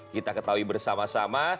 kita ketahui bersama sama